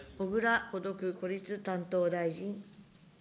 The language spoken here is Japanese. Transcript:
小倉孤独・孤立担当大臣。